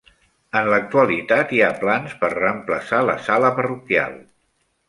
En l'actualitat hi ha plans per reemplaçar la sala parroquial.